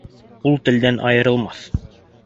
Ҡул телдән айырылмаҫ